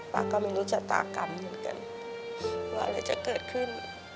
ป้าก็ไม่รู้ชะตากรรมเหมือนกันว่าอะไรจะเกิดขึ้น